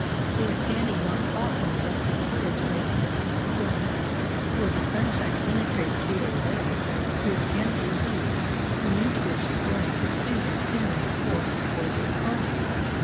They were standing not far from a rustic bridge in a deep, leafy glen, where the sunshine penetrated here and there through the canopy of leaves, beneath which the burn pursued its sinuous course towards the Earn.